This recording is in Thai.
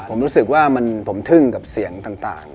ผมรู้สึกว่าผมทึ่งกับเสียงต่าง